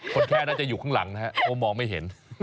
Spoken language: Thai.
คนแค่น่าจะอยู่ข้างหลังนะครับเพราะมองไม่เห็น